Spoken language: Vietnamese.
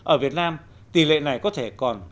ở việt nam tỷ lệ này có thể còn